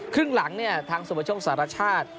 ครึ่งหลังเนี่ยทางสมบัติศาสตร์ประชาติ